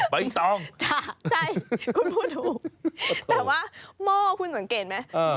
ใบตองจ้ะใช่คุณพูดถูกแต่ว่าหม้อคุณสังเกตไหม